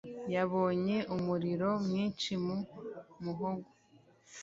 yabonye umuriro mwinshi mu muhogo.